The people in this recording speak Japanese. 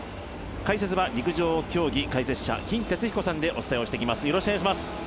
解説は陸上競技解説者金哲彦さんでお伝えしてきます。